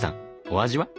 お味は？